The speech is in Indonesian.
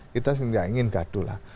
kita tidak ingin gaduh